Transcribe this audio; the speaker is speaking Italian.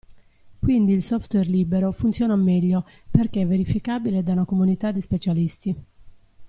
Quindi il software libero funziona meglio perché è verificabile da una comunità di specialisti.